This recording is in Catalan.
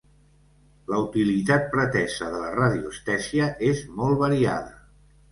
La utilitat pretesa de la radioestèsia és molt variada.